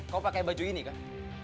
kau pakai baju ini kak